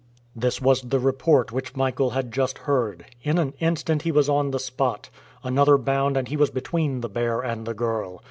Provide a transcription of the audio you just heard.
This was the report which Michael had just heard. In an instant he was on the spot. Another bound and he was between the bear and the girl.